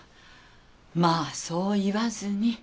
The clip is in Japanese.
まあそう言わずに。